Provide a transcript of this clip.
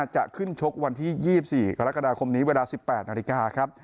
จะขึ้นชกวันที่๒๔กรกฎาคมนี้เวลา๑๘นาฬิกาครับ